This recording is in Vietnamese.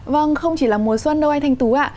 vâng không chỉ là mùa xuân đâu anh thanh tú ạ